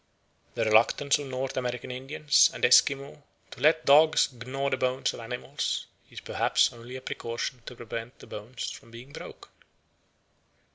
The reluctance of North American Indians and Esquimaux to let dogs gnaw the bones of animals is perhaps only a precaution to prevent the bones from being broken.